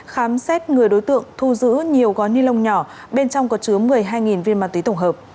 khám xét người đối tượng thu giữ nhiều gói ni lông nhỏ bên trong có chứa một mươi hai viên ma túy tổng hợp